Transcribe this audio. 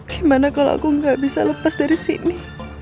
gimana kalau aku nggak bisa lepas dari sini